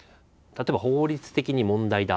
例えば法律的に問題だ。